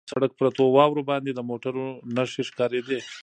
پر سړک پرتو واورو باندې د موټرو نښې ښکارېدې.